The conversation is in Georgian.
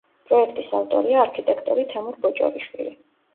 პროექტის ავტორია არქიტექტორი თემურ ბოჭორიშვილი.